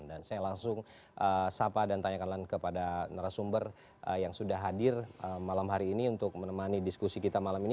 dan saya langsung sapa dan tanyakan kepada narasumber yang sudah hadir malam hari ini untuk menemani diskusi kita malam ini